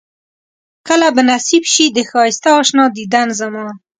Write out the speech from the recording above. کله به نصيب شي د ښائسته اشنا ديدن زما